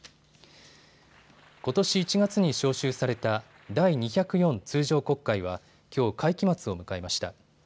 ことし１月に召集された第２０４通常国会はきょう会期末を迎えました。